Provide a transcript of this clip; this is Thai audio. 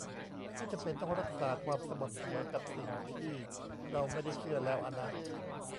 ไม่จำเป็นต้องรักษาความสม่ำเสมอกับสิ่งที่เราไม่ได้เชื่อแล้วอะนะ